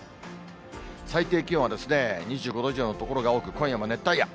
最低気温は、２５度以上の所が多く、今夜も熱帯夜。